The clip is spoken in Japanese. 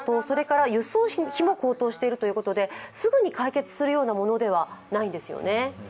それから輸送費も高騰しているということですぐに解決するようなものではないんですよね。